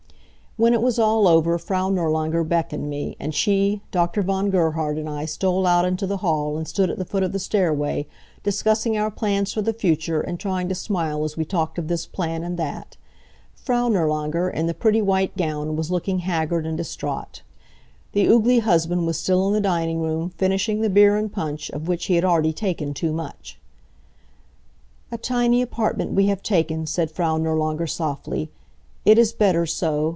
When it was all over Frau Nirlanger beckoned me, and she, Dr. von Gerhard and I stole out into the hall and stood at the foot of the stairway, discussing our plans for the future, and trying to smile as we talked of this plan and that. Frau Nirlanger, in the pretty white gown, was looking haggard and distrait. The oogly husband was still in the dining room, finishing the beer and punch, of which he had already taken too much. "A tiny apartment we have taken," said Frau Nirlanger, softly. "It is better so.